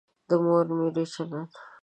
د مور میرې چلند.